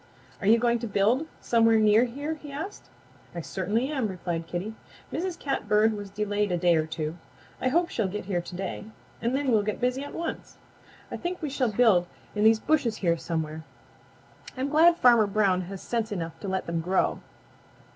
"Are you going to build somewhere near here?" he asked. "I certainly am," replied Kitty. "Mrs. Catbird was delayed a day or two. I hope she'll get here to day and then we'll get busy at once. I think we shall build in these bushes here somewhere. I'm glad Farmer Brown has sense enough to let them grow.